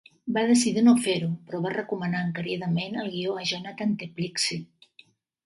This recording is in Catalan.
Va decidir no fer-ho, però va recomanar encaridament el guió a Jonathan Teplitzky.